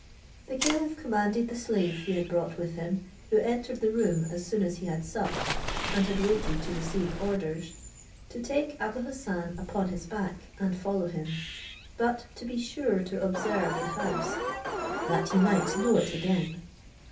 The caliph commanded the slave he had brought with him, who entered the room as soon as he had supped, and had waited to receive orders, to take Abou Hassan upon his back, and follow him; but to be sure to observe the house, that he might know it again.